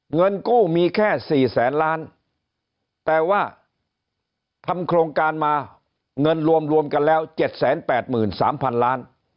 เงินกู้มีแค่๔แสนล้านแต่ว่าทำโครงการมาเงินรวมกันแล้ว๗๘๓๐๐๐ล้าน